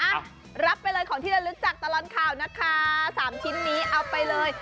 รับไปเลยของที่ละลึกจากตลอดข่าวนะคะสามชิ้นนี้เอาไปเลย